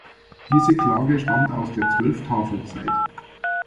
Diese Klage stammt aus der Zwölf-Tafel-Zeit.